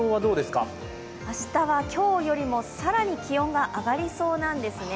明日は今日よりも更に気温が上がりそうなんですね。